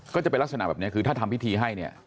ก็จะเป็นลักษณะแบบนี้คือถ้าทำพิธีให้เนี่ย